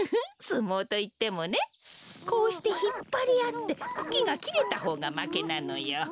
すもうといってもねこうしてひっぱりあってクキがきれたほうがまけなのよ。